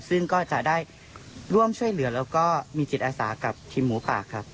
ซึ่งก็จะได้ร่วมช่วยเหลือแล้วก็มีจิตอาสากับทีมหมูป่าครับ